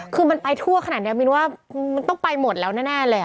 คือมันไปทั่วขนาดนี้มินว่ามันต้องไปหมดแล้วแน่เลย